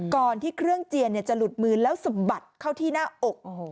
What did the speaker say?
ก่อนที่เครื่องเจียนจะหลุดมือแล้วสะบัดเข้าที่หน้าอก